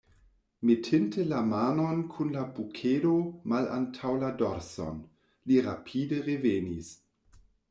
Metinte la manon kun la bukedo malantaŭ la dorson, li rapide revenis.